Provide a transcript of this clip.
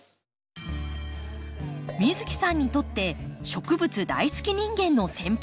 美月さんにとって植物大好き人間の先輩